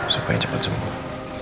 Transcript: supaya cepat sembuh